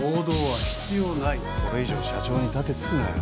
これ以上、社長に盾突くなよ。